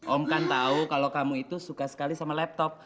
om kan tahu kalau kamu itu suka sekali sama laptop